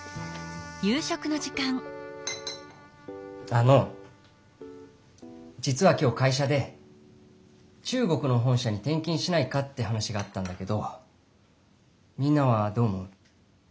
あのじつは今日会社で中国の本社にてんきんしないかって話があったんだけどみんなはどう思う？